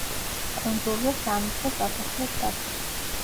კუნძულზე სამეფო სასახლე დგას.